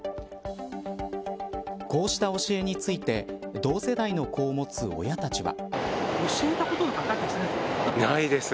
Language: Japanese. こうした教えについて同世代の子を持つ親たちは。